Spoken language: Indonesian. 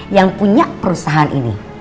yang punya perusahaan ini